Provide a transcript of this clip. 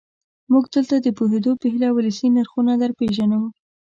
موږ دلته د پوهېدو په هیله ولسي نرخونه درپېژنو.